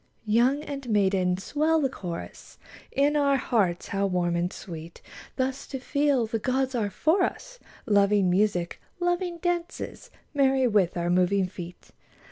Youth and maiden, swell the chorus 1 In our hearts how warm and sweet Thus to feel the gods are for us. Loving music, loving dances. Merry with our moving feet